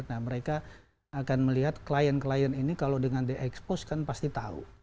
nah mereka akan melihat klien klien ini kalau dengan diekspos kan pasti tahu